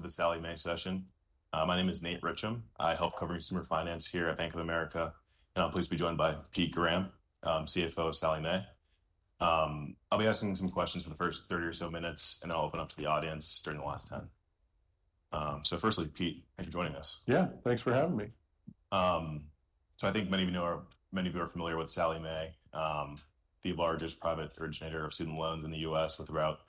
Welcome to the Sallie Mae session. My name is Nate Richam. I help cover consumer finance here at Bank of America, and I'm pleased to be joined by Pete Graham, CFO of Sallie Mae. I'll be asking some questions for the first 30 or so minutes, and I'll open up to the audience during the last 10. So firstly, Pete, thank you for joining us. Yeah, thanks for having me. So I think many of you know, many of you are familiar with Sallie Mae, the largest private originator of student loans in the U.S. with about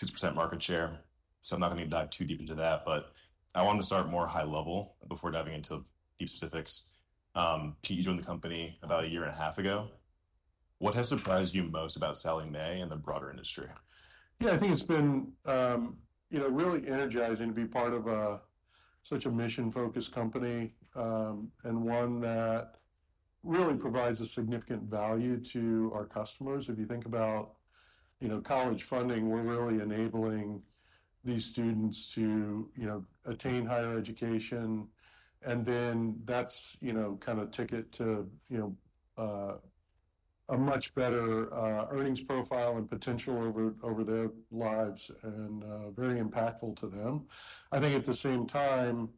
a 6% market share. So I'm not going to dive too deep into that, but I wanted to start more high level before diving into deep specifics. Pete, you joined the company about a year and a half ago. What has surprised you most about Sallie Mae and the broader industry? Yeah, I think it's been really energizing to be part of such a mission-focused company and one that really provides a significant value to our customers. If you think about college funding, we're really enabling these students to attain higher education. And then that's kind of a ticket to a much better earnings profile and potential over their lives and very impactful to them. I think at the same time,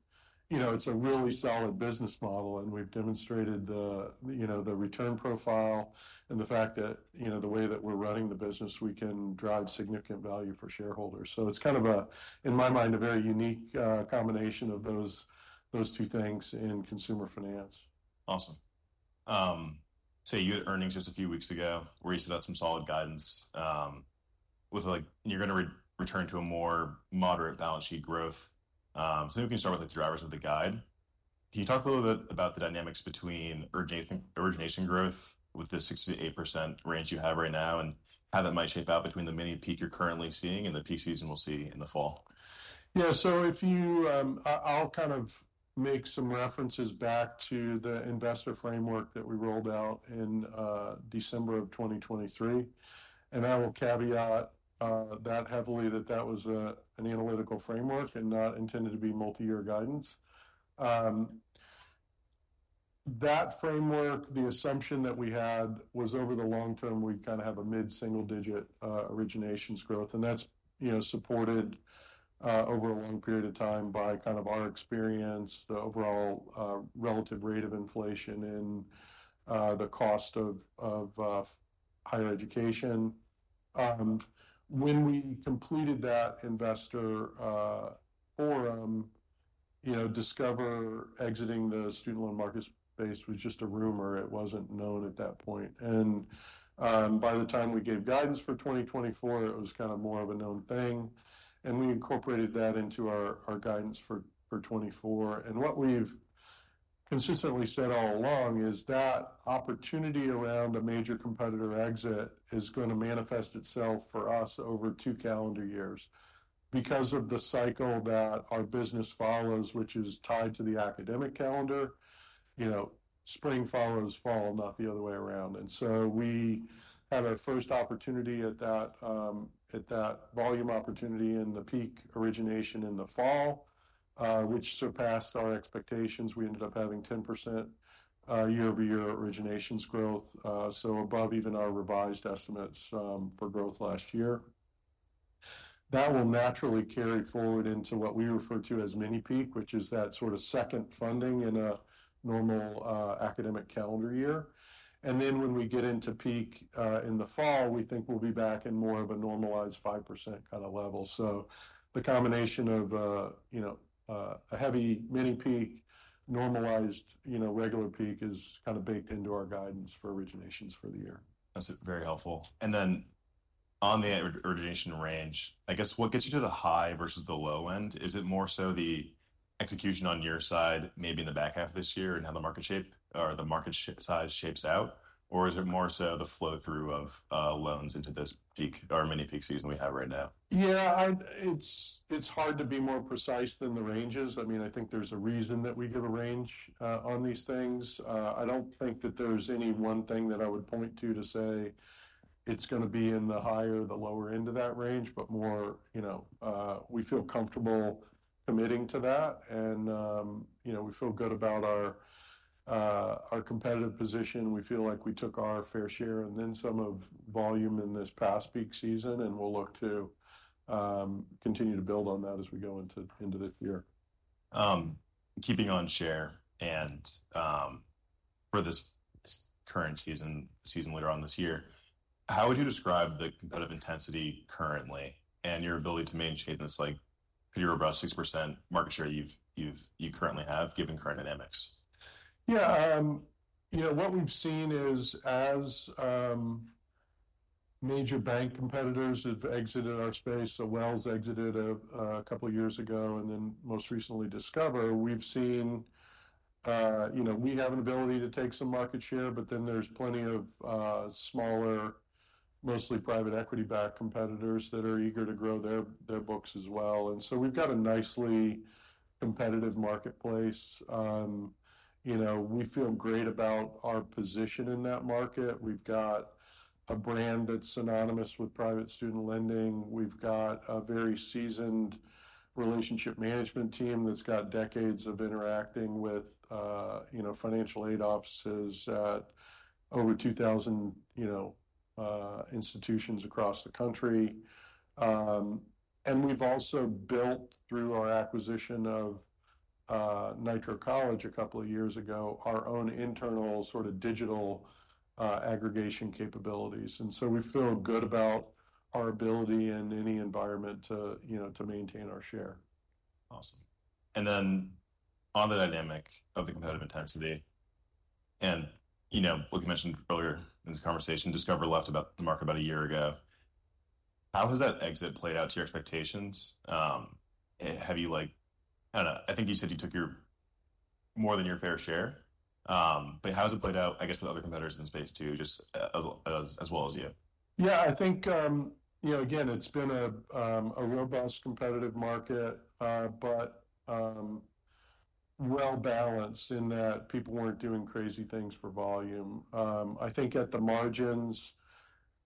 it's a really solid business model, and we've demonstrated the return profile and the fact that the way that we're running the business, we can drive significant value for shareholders. So it's kind of, in my mind, a very unique combination of those two things in consumer finance. Awesome. So you had earnings just a few weeks ago where you set out some solid guidance with you're going to return to a more moderate balance sheet growth. So we can start with the drivers of the guide. Can you talk a little bit about the dynamics between origination growth with the 60%-80% range you have right now and how that might shape out between the mini peak you're currently seeing and the peak season we'll see in the fall? Yeah, so I'll kind of make some references back to the investor framework that we rolled out in December of 2023. And I will caveat that heavily that that was an analytical framework and not intended to be multi-year guidance. That framework, the assumption that we had was over the long term, we'd kind of have a mid-single digit originations growth. And that's supported over a long period of time by kind of our experience, the overall relative rate of inflation and the cost of higher education. When we completed that investor forum, Discover exiting the student loan market space was just a rumor. It wasn't known at that point. And by the time we gave guidance for 2024, it was kind of more of a known thing. And we incorporated that into our guidance for 2024. And what we've consistently said all along is that opportunity around a major competitor exit is going to manifest itself for us over two calendar years because of the cycle that our business follows, which is tied to the academic calendar. Spring follows fall, not the other way around. And so we had our first opportunity at that volume opportunity in the peak origination in the fall, which surpassed our expectations. We ended up having 10% year-over-year originations growth, so above even our revised estimates for growth last year. That will naturally carry forward into what we refer to as mini peak, which is that sort of second funding in a normal academic calendar year. And then when we get into peak in the fall, we think we'll be back in more of a normalized 5% kind of level. So the combination of a heavy mini peak, normalized regular peak is kind of baked into our guidance for originations for the year. That's very helpful. And then on the origination range, I guess what gets you to the high versus the low end? Is it more so the execution on your side, maybe in the back half of this year and how the market shape or the market size shapes out? Or is it more so the flow through of loans into this peak or mini peak season we have right now? Yeah, it's hard to be more precise than the ranges. I mean, I think there's a reason that we give a range on these things. I don't think that there's any one thing that I would point to to say it's going to be in the high or the lower end of that range, but more we feel comfortable committing to that, and we feel good about our competitive position. We feel like we took our fair share and then some of volume in this past peak season, and we'll look to continue to build on that as we go into this year. Keeping on share and for this current season, the season later on this year, how would you describe the competitive intensity currently and your ability to maintain this pretty robust 6% market share you currently have given current dynamics? Yeah, what we've seen is as major bank competitors have exited our space, so Wells exited a couple of years ago, and then most recently Discover. We've seen we have an ability to take some market share, but then there's plenty of smaller, mostly private equity-backed competitors that are eager to grow their books as well, so we've got a nicely competitive marketplace. We feel great about our position in that market. We've got a brand that's synonymous with private student lending. We've got a very seasoned relationship management team that's got decades of interacting with financial aid offices at over 2,000 institutions across the country, and we've also built through our acquisition of Nitro College a couple of years ago our own internal sort of digital aggregation capabilities, so we feel good about our ability in any environment to maintain our share. Awesome. And then on the dynamic of the competitive intensity, and like you mentioned earlier in this conversation, Discover left the market about a year ago. How has that exit played out to your expectations? Have you, I don't know, I think you said you took more than your fair share, but how has it played out, I guess, with other competitors in the space too, just as well as you? Yeah, I think, again, it's been a robust competitive market, but well-balanced in that people weren't doing crazy things for volume. I think at the margins,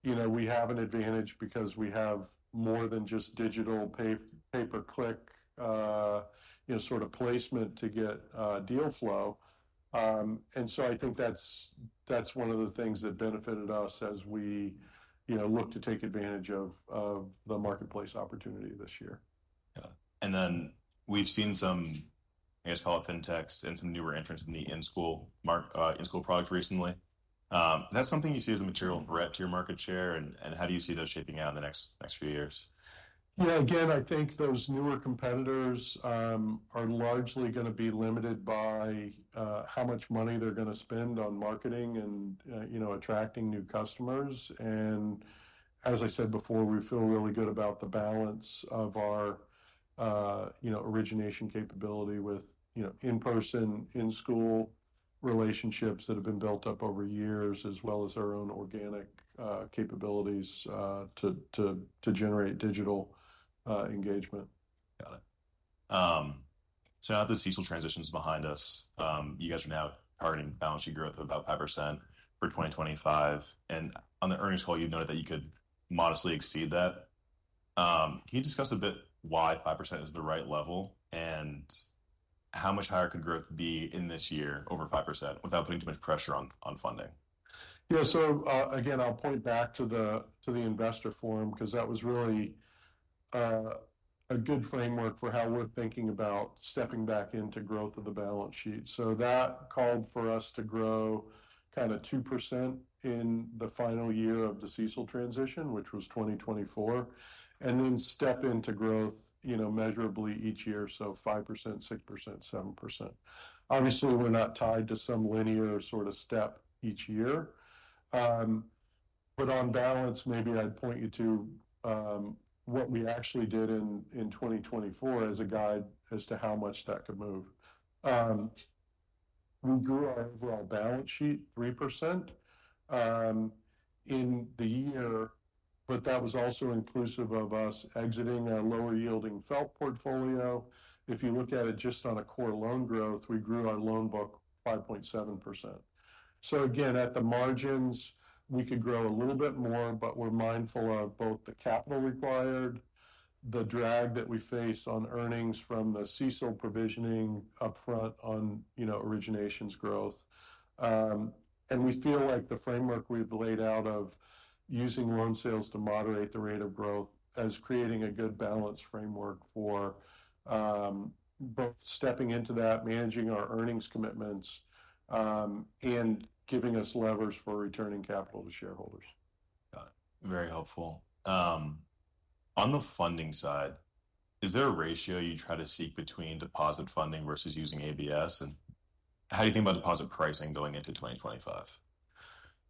we have an advantage because we have more than just digital pay-per-click sort of placement to get deal flow and so I think that's one of the things that benefited us as we look to take advantage of the marketplace opportunity this year. Got it. And then we've seen some, I guess, call it fintechs and some newer entrants in the in-school product recently. Is that something you see as a material threat to your market share? And how do you see those shaping out in the next few years? Yeah, again, I think those newer competitors are largely going to be limited by how much money they're going to spend on marketing and attracting new customers. And as I said before, we feel really good about the balance of our origination capability with in-person, in-school relationships that have been built up over years, as well as our own organic capabilities to generate digital engagement. Got it. So now the CECL transition's behind us. You guys are now targeting balance sheet growth of about 5% for 2025. And on the earnings call, you've noted that you could modestly exceed that. Can you discuss a bit why 5% is the right level and how much higher could growth be in this year over 5% without putting too much pressure on funding? Yeah, so again, I'll point back to the investor forum because that was really a good framework for how we're thinking about stepping back into growth of the balance sheet. So that called for us to grow kind of 2% in the final year of the CECL transition, which was 2024, and then step into growth measurably each year, so 5%, 6%, 7%. Obviously, we're not tied to some linear sort of step each year. But on balance, maybe I'd point you to what we actually did in 2024 as a guide as to how much that could move. We grew our overall balance sheet 3% in the year, but that was also inclusive of us exiting a lower-yielding FFELP portfolio. If you look at it just on a core loan growth, we grew our loan book 5.7%. So again, at the margins, we could grow a little bit more, but we're mindful of both the capital required, the drag that we face on earnings from the CECL provisioning upfront on originations growth. And we feel like the framework we've laid out of using loan sales to moderate the rate of growth as creating a good balance framework for both stepping into that, managing our earnings commitments, and giving us levers for returning capital to shareholders. Got it. Very helpful. On the funding side, is there a ratio you try to seek between deposit funding versus using ABS? And how do you think about deposit pricing going into 2025?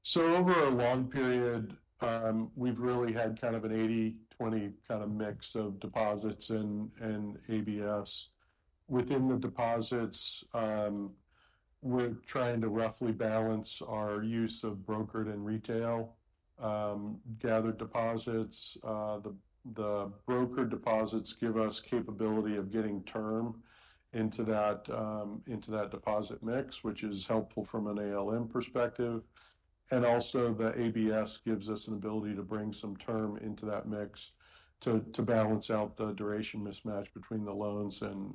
So over a long period, we've really had kind of an 80/20 kind of mix of deposits and ABS. Within the deposits, we're trying to roughly balance our use of brokered and retail gathered deposits. The brokered deposits give us capability of getting term into that deposit mix, which is helpful from an ALM perspective. And also the ABS gives us an ability to bring some term into that mix to balance out the duration mismatch between the loans and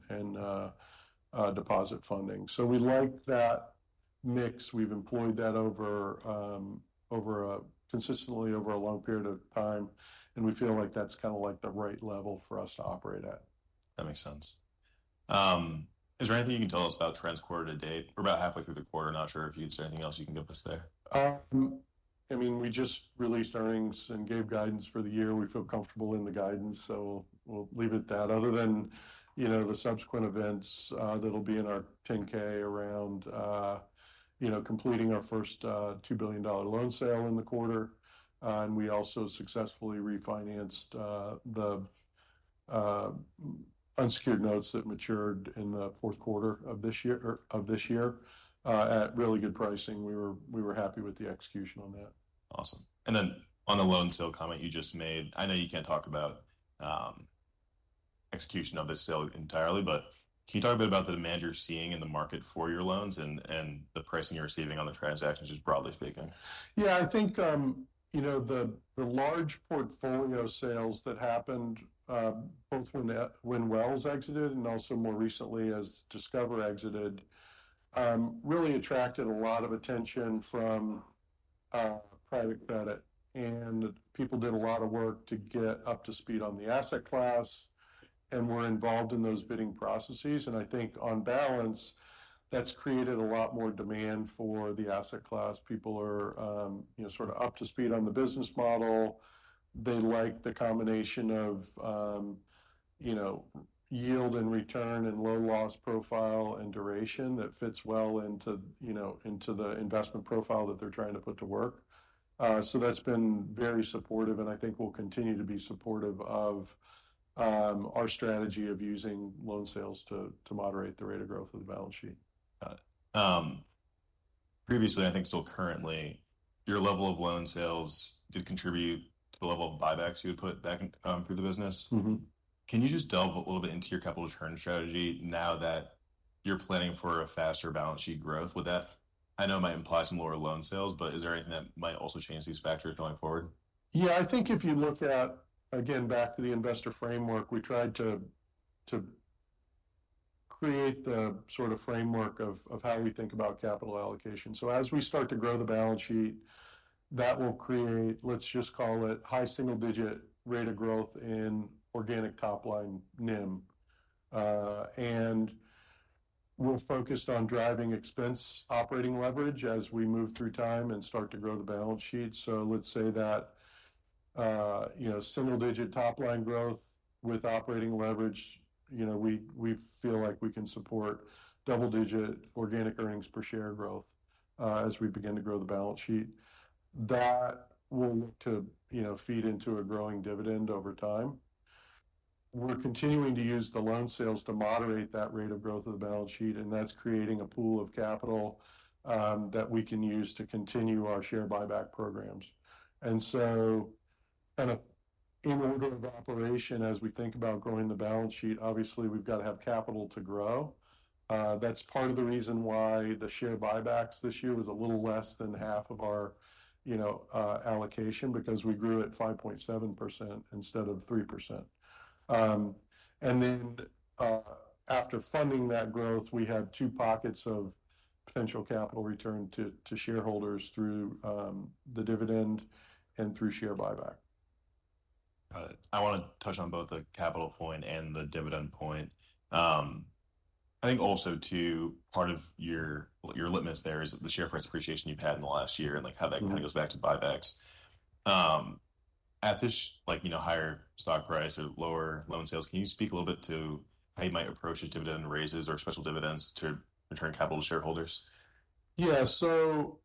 deposit funding. So we like that mix. We've employed that consistently over a long period of time, and we feel like that's kind of like the right level for us to operate at. That makes sense. Is there anything you can tell us about trends quarter to date or about halfway through the quarter? Not sure if you can say anything else you can give us there. I mean, we just released earnings and gave guidance for the year. We feel comfortable in the guidance, so we'll leave it at that. Other than the subsequent events that'll be in our 10-K around completing our first $2 billion loan sale in the quarter. And we also successfully refinanced the unsecured notes that matured in the fourth quarter of this year at really good pricing. We were happy with the execution on that. Awesome. And then on the loan sale comment you just made, I know you can't talk about execution of the sale entirely, but can you talk a bit about the demand you're seeing in the market for your loans and the pricing you're receiving on the transactions, just broadly speaking? Yeah, I think the large portfolio sales that happened both when Wells exited and also more recently as Discover exited really attracted a lot of attention from private credit, and people did a lot of work to get up to speed on the asset class and were involved in those bidding processes, and I think on balance, that's created a lot more demand for the asset class. People are sort of up to speed on the business model. They like the combination of yield and return and low loss profile and duration that fits well into the investment profile that they're trying to put to work, so that's been very supportive, and I think we'll continue to be supportive of our strategy of using loan sales to moderate the rate of growth of the balance sheet. Got it. Previously, I think still currently, your level of loan sales did contribute to the level of buybacks you would put back through the business. Can you just delve a little bit into your capital return strategy now that you're planning for a faster balance sheet growth? I know it might imply some lower loan sales, but is there anything that might also change these factors going forward? Yeah, I think if you look at, again, back to the investor framework, we tried to create the sort of framework of how we think about capital allocation. So as we start to grow the balance sheet, that will create, let's just call it, high single-digit rate of growth in organic top line NIM. And we're focused on driving expense operating leverage as we move through time and start to grow the balance sheet. So let's say that single-digit top line growth with operating leverage, we feel like we can support double-digit organic earnings per share growth as we begin to grow the balance sheet. That will feed into a growing dividend over time. We're continuing to use the loan sales to moderate that rate of growth of the balance sheet, and that's creating a pool of capital that we can use to continue our share buyback programs. In order of operation, as we think about growing the balance sheet, obviously, we've got to have capital to grow. That's part of the reason why the share buybacks this year was a little less than half of our allocation because we grew at 5.7% instead of 3%. After funding that growth, we have two pockets of potential capital return to shareholders through the dividend and through share buyback. Got it. I want to touch on both the capital point and the dividend point. I think also too, part of your litmus there is the share price appreciation you've had in the last year and how that kind of goes back to buybacks. At this higher stock price or lower loan sales, can you speak a little bit to how you might approach dividend raises or special dividends to return capital to shareholders? Yeah, so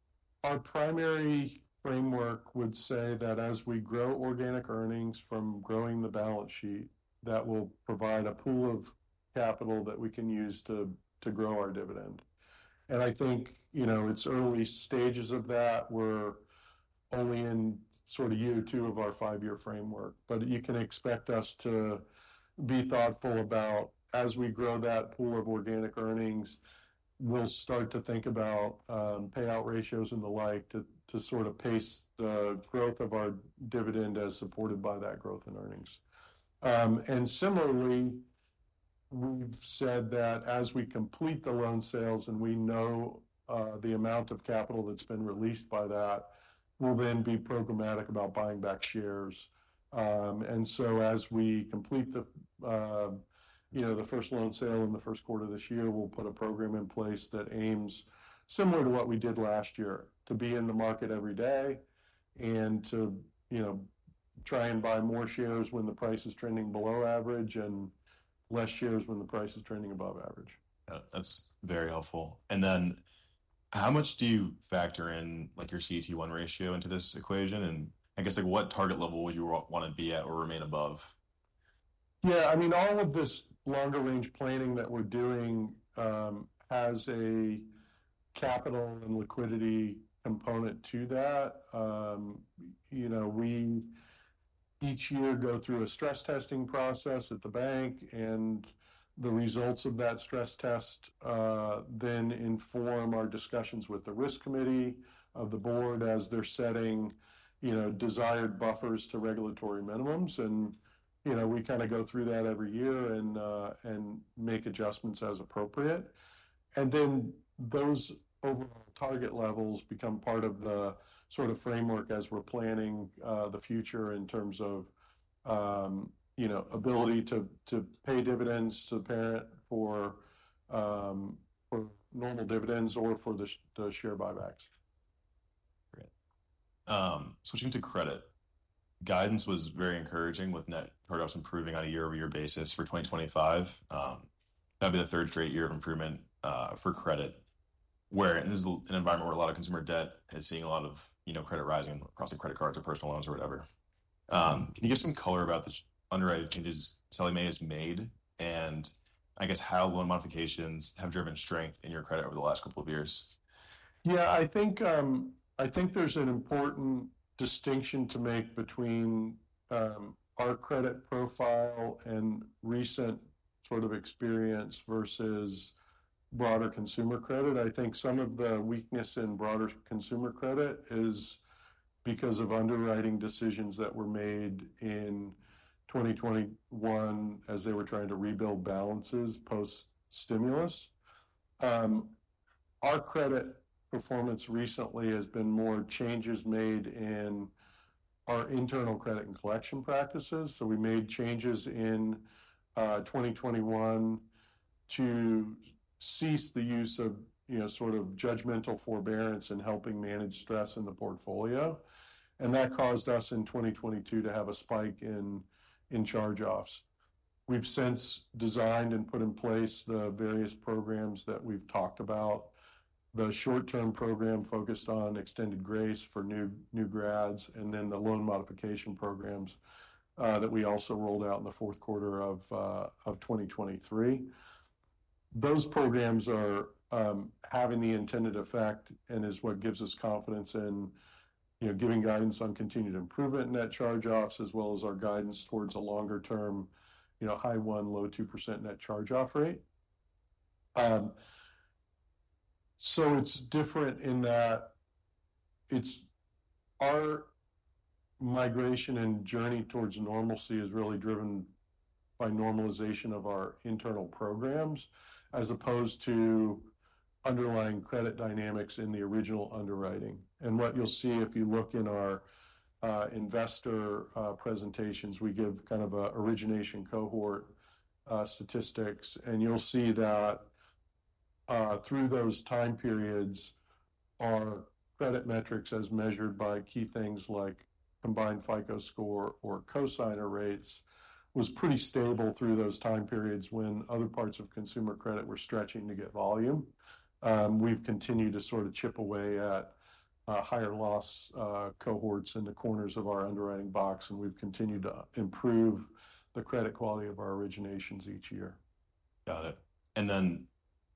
our primary framework would say that as we grow organic earnings from growing the balance sheet, that will provide a pool of capital that we can use to grow our dividend. And I think it's early stages of that. We're only in sort of year two of our five-year framework, but you can expect us to be thoughtful about as we grow that pool of organic earnings, we'll start to think about payout ratios and the like to sort of pace the growth of our dividend as supported by that growth in earnings. And similarly, we've said that as we complete the loan sales and we know the amount of capital that's been released by that, we'll then be programmatic about buying back shares. And so, as we complete the first loan sale in the first quarter of this year, we'll put a program in place that aims similar to what we did last year, to be in the market every day and to try and buy more shares when the price is trending below average and less shares when the price is trending above average. That's very helpful. And then how much do you factor in your CET1 ratio into this equation? And I guess what target level would you want to be at or remain above? Yeah, I mean, all of this longer-range planning that we're doing has a capital and liquidity component to that. We each year go through a stress testing process at the bank, and the results of that stress test then inform our discussions with the risk committee of the board as they're setting desired buffers to regulatory minimums. And we kind of go through that every year and make adjustments as appropriate. And then those overall target levels become part of the sort of framework as we're planning the future in terms of ability to pay dividends to the parent for normal dividends or for the share buybacks. Great. Switching to credit, guidance was very encouraging with net charge-offs improving on a year-over-year basis for 2025. That'd be the third straight year of improvement for credit, where this is an environment where a lot of consumer debt is seeing a lot of credit rising across credit cards or personal loans or whatever. Can you give some color about the underwriting changes SLM has made and I guess how loan modifications have driven strength in your credit over the last couple of years? Yeah, I think there's an important distinction to make between our credit profile and recent sort of experience versus broader consumer credit. I think some of the weakness in broader consumer credit is because of underwriting decisions that were made in 2021 as they were trying to rebuild balances post-stimulus. Our credit performance recently has been more changes made in our internal credit and collection practices. So we made changes in 2021 to cease the use of sort of judgmental forbearance in helping manage stress in the portfolio. And that caused us in 2022 to have a spike in charge-offs. We've since designed and put in place the various programs that we've talked about, the short-term program focused on extended grace for new grads, and then the loan modification programs that we also rolled out in the fourth quarter of 2023. Those programs are having the intended effect and is what gives us confidence in giving guidance on continued improvement in net charge-offs as well as our guidance towards a longer-term high 1%, low 2% net charge-off rate, so it's different in that our migration and journey towards normalcy is really driven by normalization of our internal programs as opposed to underlying credit dynamics in the original underwriting, and what you'll see if you look in our investor presentations, we give kind of an origination cohort statistics, and you'll see that through those time periods, our credit metrics as measured by key things like combined FICO score or cosigner rates was pretty stable through those time periods when other parts of consumer credit were stretching to get volume. We've continued to sort of chip away at higher loss cohorts in the corners of our underwriting box, and we've continued to improve the credit quality of our originations each year. Got it. And then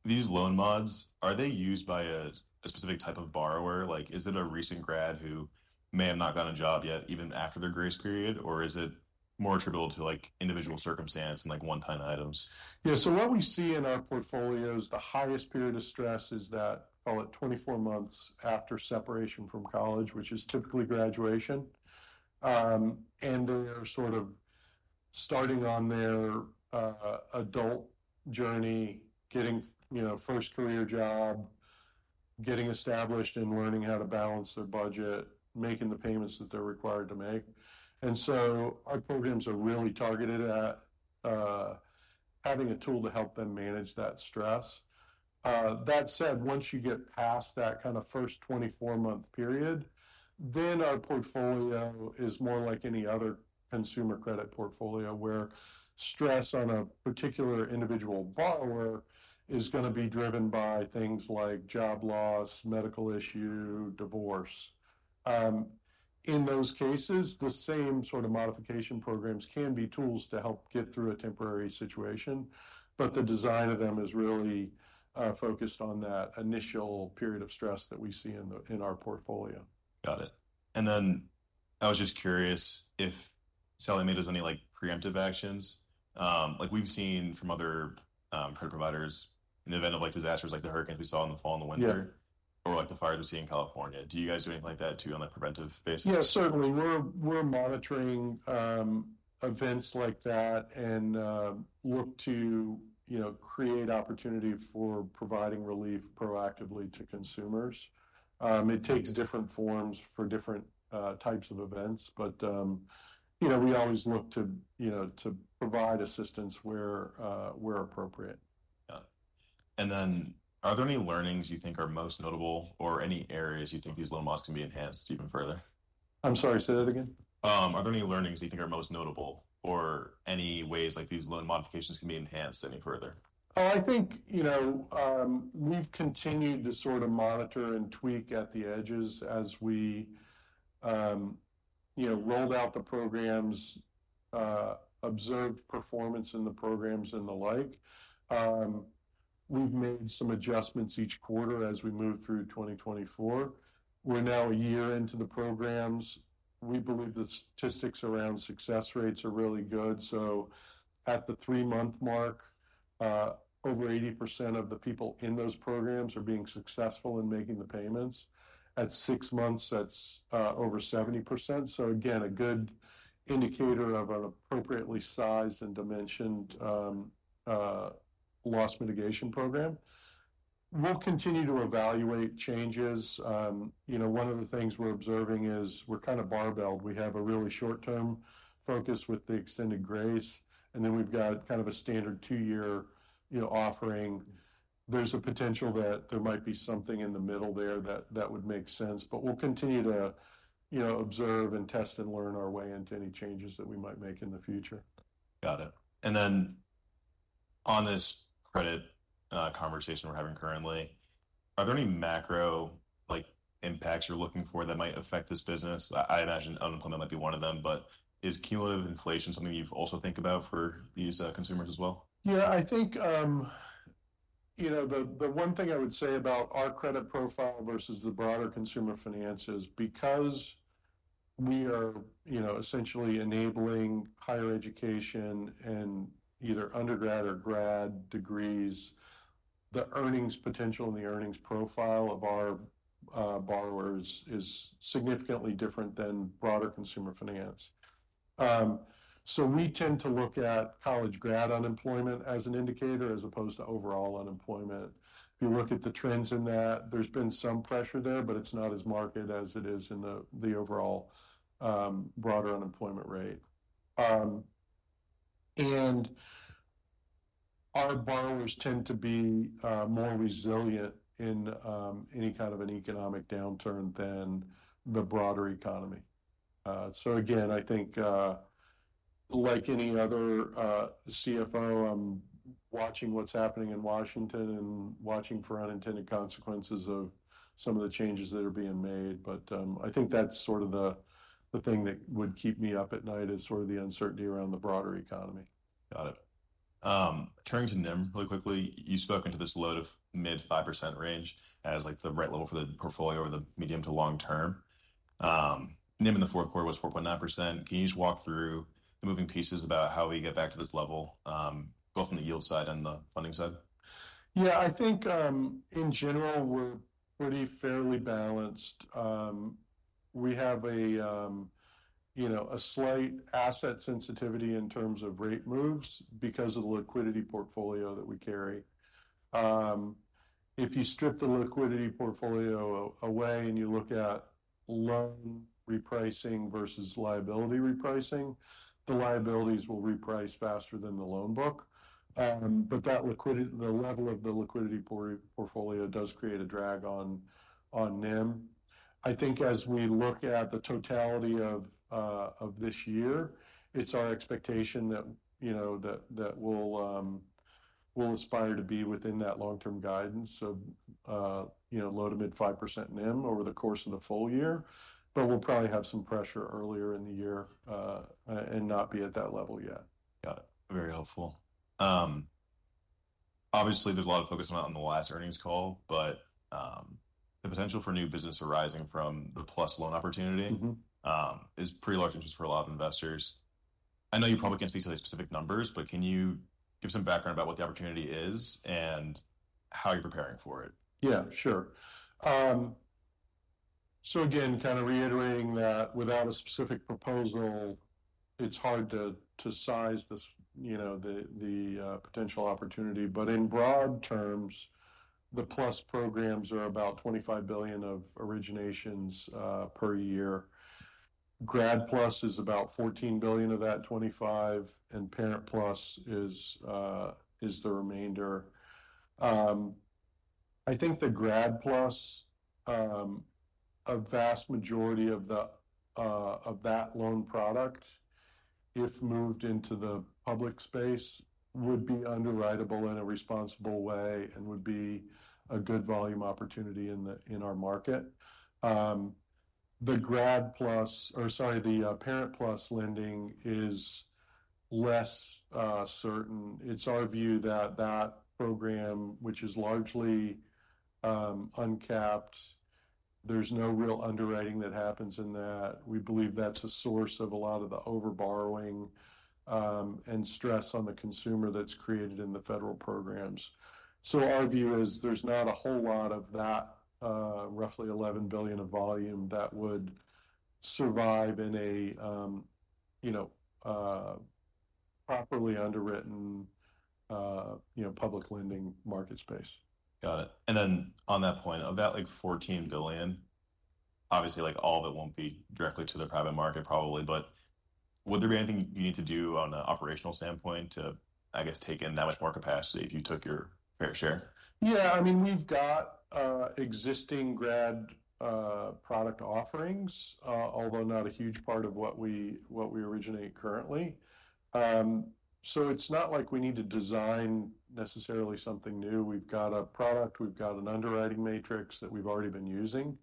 these loan mods, are they used by a specific type of borrower? Is it a recent grad who may have not gotten a job yet even after their grace period, or is it more attributable to individual circumstance and one-time items? Yeah, so what we see in our portfolios, the highest period of stress is that, call it, 24 months after separation from college, which is typically graduation. And they're sort of starting on their adult journey, getting first career job, getting established and learning how to balance their budget, making the payments that they're required to make. And so our programs are really targeted at having a tool to help them manage that stress. That said, once you get past that kind of first 24-month period, then our portfolio is more like any other consumer credit portfolio where stress on a particular individual borrower is going to be driven by things like job loss, medical issue, divorce. In those cases, the same sort of modification programs can be tools to help get through a temporary situation, but the design of them is really focused on that initial period of stress that we see in our portfolio. Got it. And then I was just curious if SLM does any preemptive actions. We've seen from other credit providers in the event of disasters like the hurricanes we saw in the fall and the winter or the fires we see in California. Do you guys do anything like that too on a preventive basis? Yeah, certainly. We're monitoring events like that and look to create opportunity for providing relief proactively to consumers. It takes different forms for different types of events, but we always look to provide assistance where appropriate. Got it. And then are there any learnings you think are most notable or any areas you think these loan mods can be enhanced even further? I'm sorry, say that again. Are there any learnings you think are most notable or any ways these loan modifications can be enhanced any further? Oh, I think we've continued to sort of monitor and tweak at the edges as we rolled out the programs, observed performance in the programs, and the like. We've made some adjustments each quarter as we move through 2024. We're now a year into the programs. We believe the statistics around success rates are really good. So at the three-month mark, over 80% of the people in those programs are being successful in making the payments. At six months, that's over 70%. So again, a good indicator of an appropriately sized and dimensioned loss mitigation program. We'll continue to evaluate changes. One of the things we're observing is we're kind of barbelled. We have a really short-term focus with the extended grace, and then we've got kind of a standard two-year offering. There's a potential that there might be something in the middle there that would make sense, but we'll continue to observe and test and learn our way into any changes that we might make in the future. Got it. And then on this credit conversation we're having currently, are there any macro impacts you're looking for that might affect this business? I imagine unemployment might be one of them, but is cumulative inflation something you've also thought about for these consumers as well? Yeah, I think the one thing I would say about our credit profile versus the broader consumer finances is because we are essentially enabling higher education and either undergrad or grad degrees, the earnings potential and the earnings profile of our borrowers is significantly different than broader consumer finance, so we tend to look at college grad unemployment as an indicator as opposed to overall unemployment. If you look at the trends in that, there's been some pressure there, but it's not as marked as it is in the overall broader unemployment rate, and our borrowers tend to be more resilient in any kind of an economic downturn than the broader economy, so again, I think like any other CFO, I'm watching what's happening in Washington and watching for unintended consequences of some of the changes that are being made. But I think that's sort of the thing that would keep me up at night is sort of the uncertainty around the broader economy. Got it. Turning to NIM really quickly, you've spoken to this low- to mid-5% range as the right level for the portfolio over the medium to long term. NIM in the fourth quarter was 4.9%. Can you just walk through the moving pieces about how we get back to this level, both on the yield side and the funding side? Yeah, I think in general, we're pretty fairly balanced. We have a slight asset sensitivity in terms of rate moves because of the liquidity portfolio that we carry. If you strip the liquidity portfolio away and you look at loan repricing versus liability repricing, the liabilities will reprice faster than the loan book. But the level of the liquidity portfolio does create a drag on NIM. I think as we look at the totality of this year, it's our expectation that we'll aspire to be within that long-term guidance, so low- to mid-5% NIM over the course of the full year, but we'll probably have some pressure earlier in the year and not be at that level yet. Got it. Very helpful. Obviously, there's a lot of focus on the last earnings call, but the potential for new business arising from the PLUS loan opportunity is pretty large interest for a lot of investors. I know you probably can't speak to the specific numbers, but can you give some background about what the opportunity is and how you're preparing for it? Yeah, sure. So again, kind of reiterating that without a specific proposal, it's hard to size the potential opportunity. But in broad terms, the PLUS programs are about $25 billion of originations per year. Grad PLUS is about $14 billion of that $25 billion, and Parent PLUS is the remainder. I think the Grad PLUS, a vast majority of that loan product, if moved into the private space, would be underwritable in a responsible way and would be a good volume opportunity in our market. The Grad PLUS or sorry, the Parent PLUS lending is less certain. It's our view that that program, which is largely uncapped, there's no real underwriting that happens in that. We believe that's a source of a lot of the overborrowing and stress on the consumer that's created in the federal programs. So our view is there's not a whole lot of that roughly $11 billion of volume that would survive in a properly underwritten public lending market space. Got it. And then on that point, of that $14 billion, obviously, all of it won't be directly to the private market probably, but would there be anything you need to do on an operational standpoint to, I guess, take in that much more capacity if you took your fair share? Yeah, I mean, we've got existing grad product offerings, although not a huge part of what we originate currently. So it's not like we need to design necessarily something new. We've got a product. We've got an underwriting matrix that we've already been using.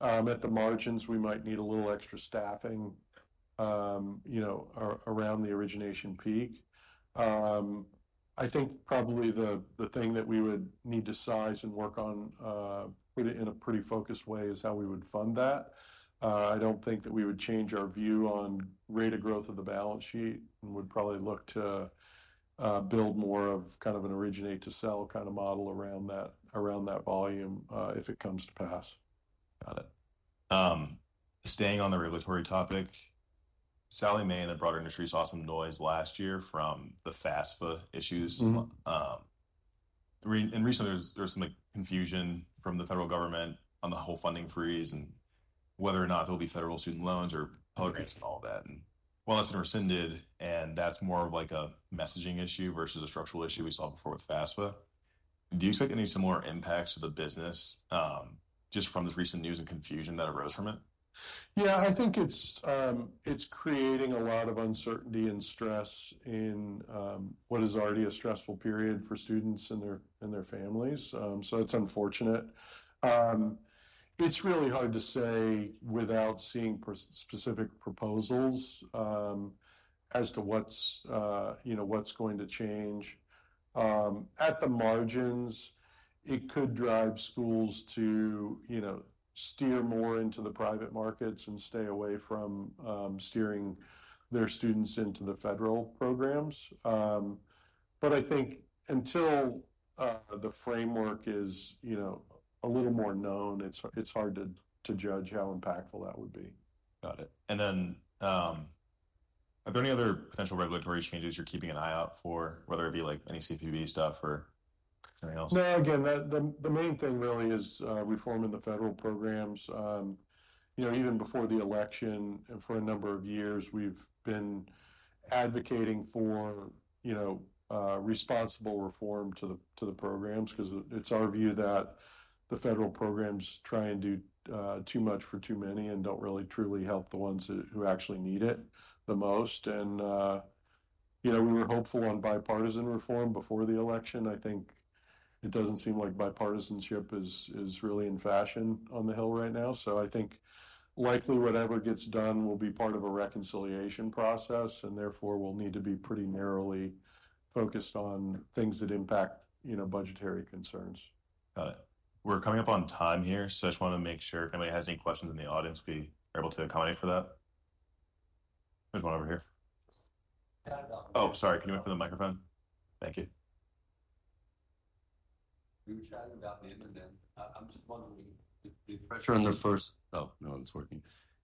At the margins, we might need a little extra staffing around the origination peak. I think probably the thing that we would need to size and work on, put it in a pretty focused way, is how we would fund that. I don't think that we would change our view on rate of growth of the balance sheet and would probably look to build more of kind of an originate-to-sell kind of model around that volume if it comes to pass. Got it. Staying on the regulatory topic, Sallie Mae and the broader industry saw some noise last year from the FAFSA issues, and recently, there was some confusion from the federal government on the whole funding freeze and whether or not there will be federal student loans or programs and all of that, and while that's been rescinded, and that's more of a messaging issue versus a structural issue we saw before with FAFSA, do you expect any similar impacts to the business just from the recent news and confusion that arose from it? Yeah, I think it's creating a lot of uncertainty and stress in what is already a stressful period for students and their families. So it's unfortunate. It's really hard to say without seeing specific proposals as to what's going to change. At the margins, it could drive schools to steer more into the private markets and stay away from steering their students into the federal programs. But I think until the framework is a little more known, it's hard to judge how impactful that would be. Got it. And then are there any other potential regulatory changes you're keeping an eye out for, whether it be any CFPB stuff or something else? No, again, the main thing really is reforming the federal programs. Even before the election, for a number of years, we've been advocating for responsible reform to the programs because it's our view that the federal programs try and do too much for too many and don't really truly help the ones who actually need it the most. And we were hopeful on bipartisan reform before the election. I think it doesn't seem like bipartisanship is really in fashion on the Hill right now. So I think likely whatever gets done will be part of a reconciliation process, and therefore, we'll need to be pretty narrowly focused on things that impact budgetary concerns. Got it. We're coming up on time here, so I just want to make sure if anybody has any questions in the audience, we are able to accommodate for that. There's one over here. Oh, sorry, can you wait for the microphone? Thank you. We were chatting about the NIM, and I'm just wondering the pressure. Sure, on the first.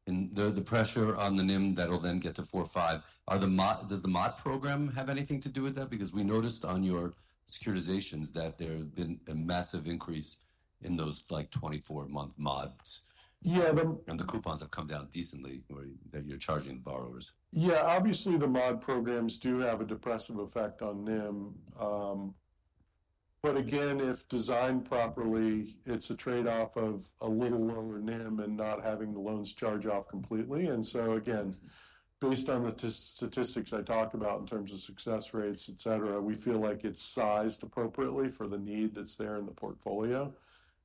And the pressure on the NIM that'll then get to 4.5%, does the MOD program have anything to do with that? Because we noticed on your securitizations that there's been a massive increase in those 24-month MODs. Yeah. The coupons have come down decently where you're charging borrowers. Yeah, obviously, the MOD programs do have a depressive effect on NIM. But again, if designed properly, it's a trade-off of a little lower NIM and not having the loans charge off completely. And so again, based on the statistics I talked about in terms of success rates, etc., we feel like it's sized appropriately for the need that's there in the portfolio.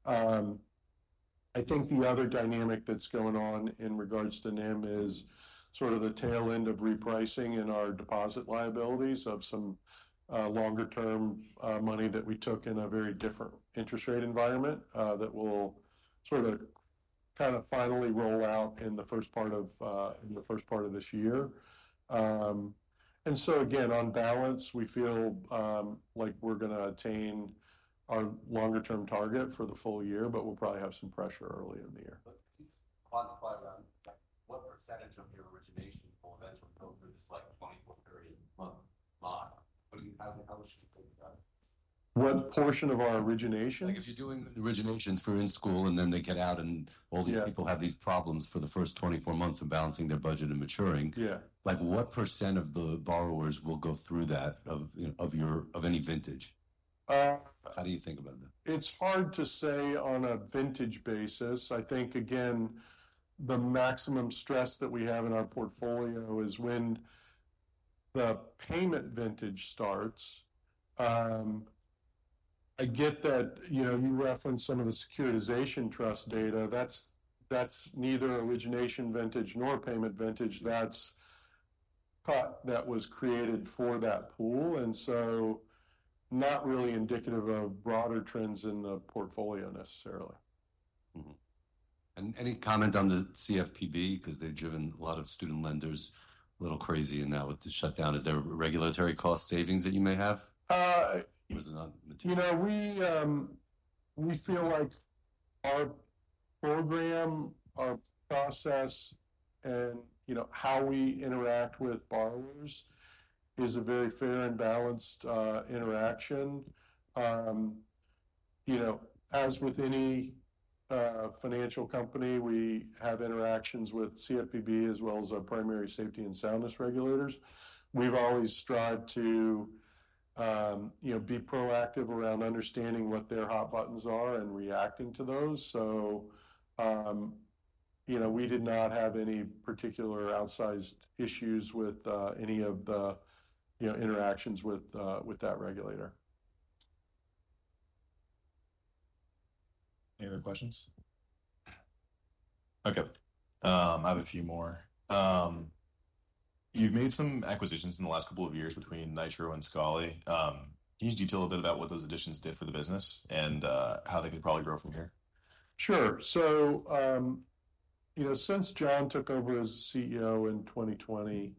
I think the other dynamic that's going on in regards to NIM is sort of the tail end of repricing in our deposit liabilities of some longer-term money that we took in a very different interest rate environment that will sort of kind of finally roll out in the first part of this year. And so again, on balance, we feel like we're going to attain our longer-term target for the full year, but we'll probably have some pressure early in the year. Please quantify around what percentage of your origination will eventually go through this 24-period MOD? How would you think that? What portion of our origination? If you're doing the originations for in-school, and then they get out, and all these people have these problems for the first 24 months of balancing their budget and maturing, what % of the borrowers will go through that of any vintage? How do you think about that? It's hard to say on a vintage basis. I think, again, the maximum stress that we have in our portfolio is when the payment vintage starts. I get that you referenced some of the securitization trust data. That's neither origination vintage nor payment vintage. That's the cut that was created for that pool, and so not really indicative of broader trends in the portfolio necessarily. And any comment on the CFPB, because they've driven a lot of student lenders a little crazy, and now with the shutdown, is there regulatory cost savings that you may have? It wasn't on the table. We feel like our program, our process, and how we interact with borrowers is a very fair and balanced interaction. As with any financial company, we have interactions with CFPB as well as our primary safety and soundness regulators. We've always strived to be proactive around understanding what their hot buttons are and reacting to those. So we did not have any particular outsized issues with any of the interactions with that regulator. Any other questions? Okay. I have a few more. You've made some acquisitions in the last couple of years between Nitro and Scholly. Can you detail a bit about what those additions did for the business and how they could probably grow from here? Sure. So since Jon took over as CEO in 2020,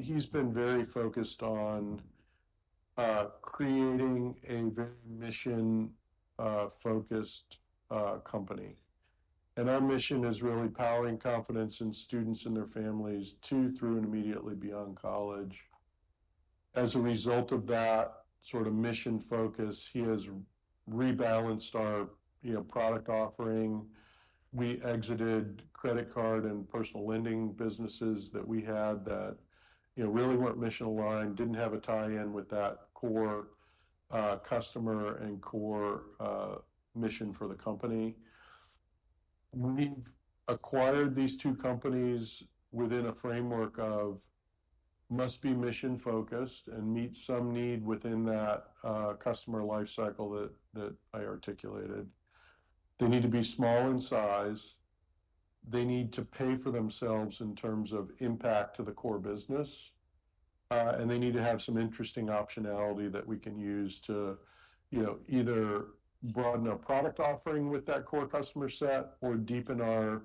he's been very focused on creating a very mission-focused company. And our mission is really powering confidence in students and their families to, through, and immediately beyond college. As a result of that sort of mission focus, he has rebalanced our product offering. We exited credit card and personal lending businesses that we had that really weren't mission-aligned, didn't have a tie-in with that core customer and core mission for the company. We've acquired these two companies within a framework of must be mission-focused and meet some need within that customer lifecycle that I articulated. They need to be small in size. They need to pay for themselves in terms of impact to the core business. And they need to have some interesting optionality that we can use to either broaden our product offering with that core customer set or deepen our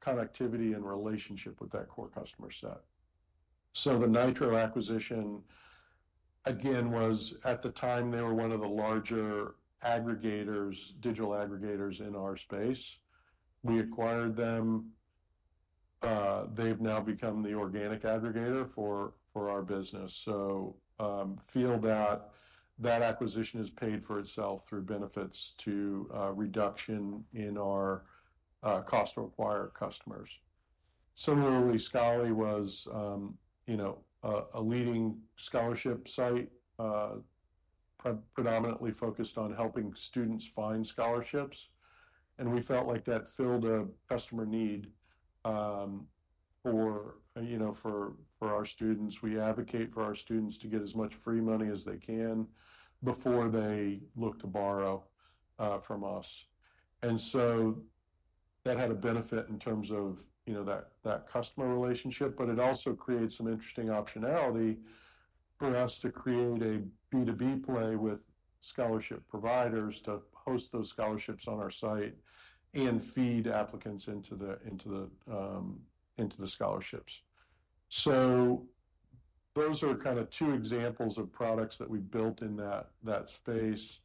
connectivity and relationship with that core customer set. So the Nitro acquisition, again, was at the time they were one of the larger aggregators, digital aggregators in our space. We acquired them. They've now become the organic aggregator for our business. So feel that that acquisition has paid for itself through benefits to reduction in our cost-to-acquire customers. Similarly, Scholly was a leading scholarship site, predominantly focused on helping students find scholarships. And we felt like that filled a customer need for our students. We advocate for our students to get as much free money as they can before they look to borrow from us. And so that had a benefit in terms of that customer relationship, but it also creates some interesting optionality for us to create a B2B play with scholarship providers to host those scholarships on our site and feed applicants into the scholarships. So those are kind of two examples of products that we've built in that space.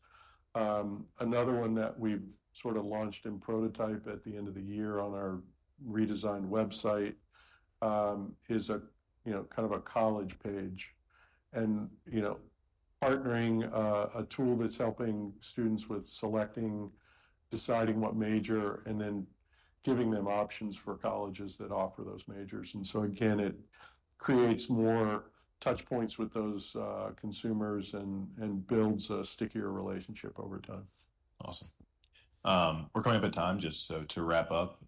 Another one that we've sort of launched in prototype at the end of the year on our redesigned website is kind of a college page and partnering a tool that's helping students with selecting, deciding what major, and then giving them options for colleges that offer those majors. And so again, it creates more touchpoints with those consumers and builds a stickier relationship over time. Awesome. We're coming up on time. Just to wrap up,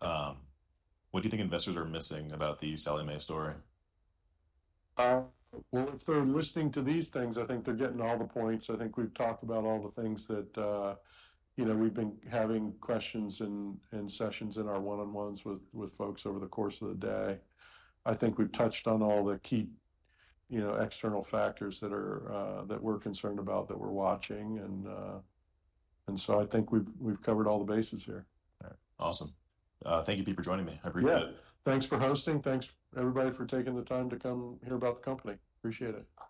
what do you think investors are missing about the Sallie Mae story? If they're listening to these things, I think they're getting all the points. I think we've talked about all the things that we've been having questions and sessions in our one-on-ones with folks over the course of the day. I think we've touched on all the key external factors that we're concerned about that we're watching. And so I think we've covered all the bases here. All right. Awesome. Thank you for joining me. I appreciate it. Yeah. Thanks for hosting. Thanks, everybody, for taking the time to come hear about the company. Appreciate it.